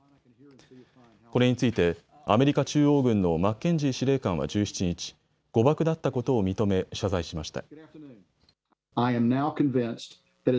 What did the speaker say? これについてアメリカ中央軍のマッケンジー司令官は１７日、誤爆だったことを認め謝罪しました。